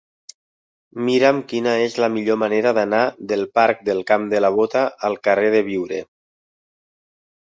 Mira'm quina és la millor manera d'anar del parc del Camp de la Bota al carrer de Biure.